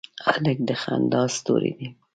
هلک د خندا ستوری دی.